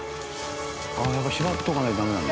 縛っとかないとダメなんだ。